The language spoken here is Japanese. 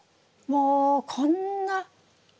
もうこんな。